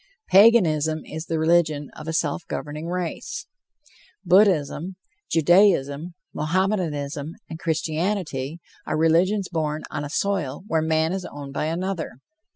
Paganism is the religion of a self governing race. Buddhism, Judaism, Mohammedanism, and Christianity are religions born on a soil where man is owned by another.